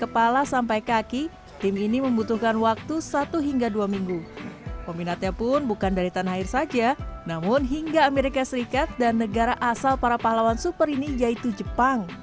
peminatnya pun bukan dari tanah air saja namun hingga amerika serikat dan negara asal para pahlawan super ini yaitu jepang